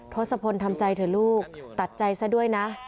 ทศพลทำใจเถอะลูกตัดใจซะด้วยนะ